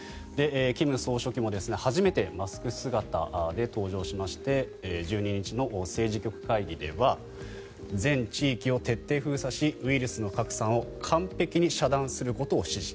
金総書記も初めてマスク姿で登場しまして１２日の政治局会議では全地域を徹底封鎖しウイルスの拡散を完璧に遮断することを指示